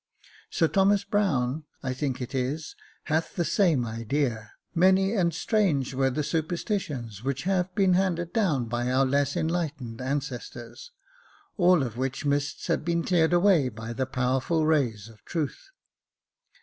Sir Thomas Brown, I think it is, hath the same idea j many and strange were the superstitions which have been handed down by our less enlightened ancestors — all of which mists have been cleared away by the powerful rays of truth."